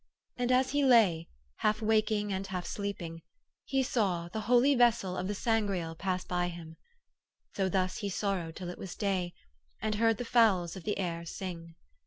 And as he lay, half waking and half sleeping ... he saw ... the holy vessel of the Sangreal pass him by. So thus he sorrowed till it was day, and heard the fowls of the air sing.